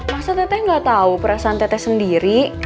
masa teteh gak tau perasaan teteh sendiri